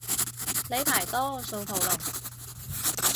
呢排多數屠龍